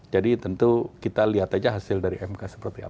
jadi tentu kita lihat aja hasil dari mk seperti apa